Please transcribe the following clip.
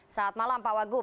selamat malam pak wagub